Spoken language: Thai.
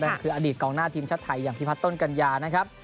นั่นคืออดีตกองหน้าทีมชาติไทยอย่างพิพัฒนต้นกัญญานะครับ